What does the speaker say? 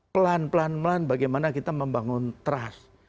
pelan pelan pelan bagaimana kita membangun trust